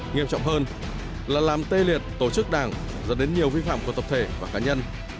nghiêm trọng hơn là làm tê liệt tổ chức đảng dẫn đến nhiều vi phạm của tập thể và cá nhân